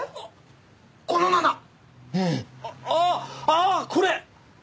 ああこれ！